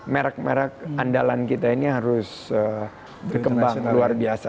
merk merk andalan kita ini harus berkembang luar biasa